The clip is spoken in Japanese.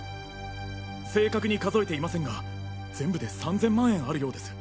正確に数えていませんが全部で３０００万円あるようです。